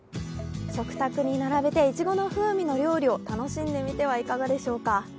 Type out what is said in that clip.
食卓に並べていちごの風味の料理を楽しんでみてはいかがでしょうか。